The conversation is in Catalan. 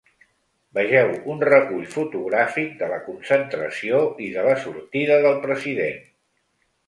Vegeu un recull fotogràfic de la concentració i de la sortida del president.